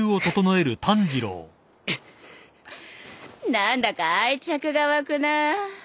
何だか愛着が湧くなお前は。